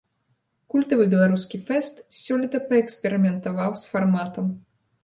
Культавы беларускі фэст сёлета паэксперыментаваў з фарматам.